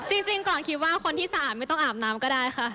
จริงก่อนคิดว่าคนที่สะอาดไม่ต้องอาบน้ำก็ได้ค่ะ